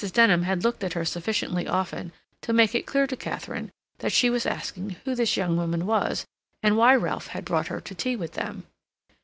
Denham had looked at her sufficiently often to make it clear to Katharine that she was asking who this young woman was, and why Ralph had brought her to tea with them.